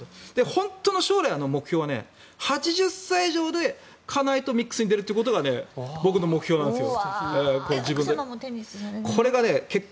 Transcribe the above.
本当の将来の目標は８０歳以上で、家内とミックスに出るということが僕の目標なんですよ。